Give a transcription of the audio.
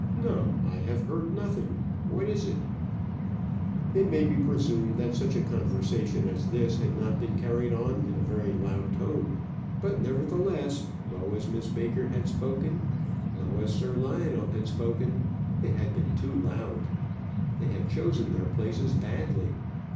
No, I have heard nothing; what is it?" It may be presumed that such a conversation as this had not been carried on in a very loud tone; but, nevertheless, low as Miss Baker had spoken, low as Sir Lionel had spoken, it had been too loud. They had chosen their places badly.